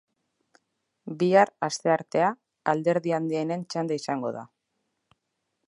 Bihar, asteartea, alderdi handienen txanda izango da.